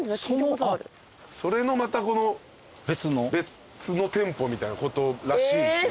それのまた別の店舗みたいなことらしいです。